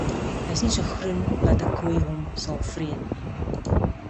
Hy is nie so groen dat ’n koei hom sal vreet nie